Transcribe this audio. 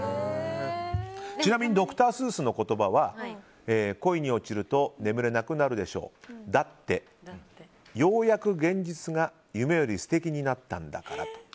ちなみにドクター・スースの言葉は恋に落ちると眠れなくなるでしょうだって、ようやく現実が夢より素敵になったんだから。